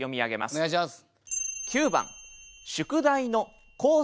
お願いします。